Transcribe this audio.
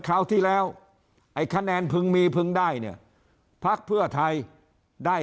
คราวที่แล้วไอ้คะแนนพึงมีพึงได้เนี่ยพักเพื่อไทยได้